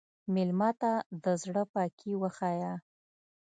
مېلمه ته د زړه پاکي وښیه.